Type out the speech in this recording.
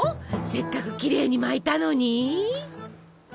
せっかくきれいに巻いたのに？